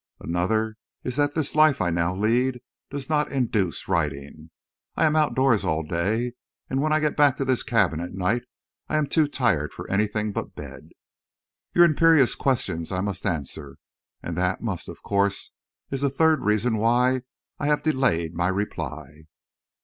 Another is that this life I now lead does not induce writing. I am outdoors all day, and when I get back to this cabin at night I am too tired for anything but bed. Your imperious questions I must answer—and that must, of course, is a third reason why I have delayed my reply.